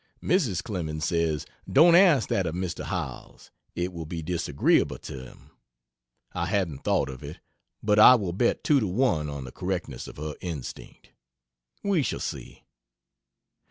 Mrs. Clemens says, "Don't ask that of Mr. Howells it will be disagreeable to him." I hadn't thought of it, but I will bet two to one on the correctness of her instinct. We shall see.